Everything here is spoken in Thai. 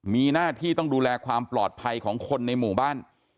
มีหน้าที่ต้องดูแลความปลอดภัยของคนในหมู่บ้าน